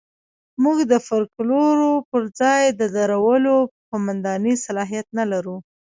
موږ د فوکلور پر ځای درولو قوماندې صلاحیت نه لرو.